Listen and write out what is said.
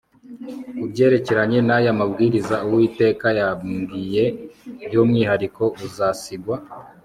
ku byerekeranye n'aya mabwirizwa, uwiteka yabwiye by'umwihariko uzasigwa